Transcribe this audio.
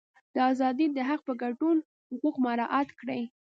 د ازادۍ د حق په ګډون حقوق مراعات کړي.